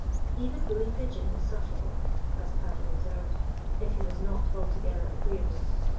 Even Bully Pigeon was sufferable (as Paddy observed), if he was not altogether agreeable.